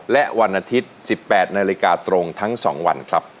และวันอาทิตย์๑๘นาฬิกาตรงทั้ง๒วันครับ